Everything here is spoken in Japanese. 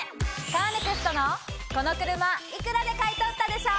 カーネクストのこの車幾らで買い取ったでしょ！